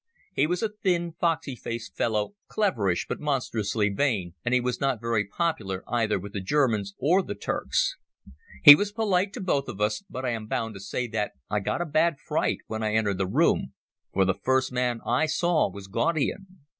He was a thin, foxy faced fellow, cleverish but monstrously vain, and he was not very popular either with the Germans or the Turks. He was polite to both of us, but I am bound to say that I got a bad fright when I entered the room, for the first man I saw was Gaudian.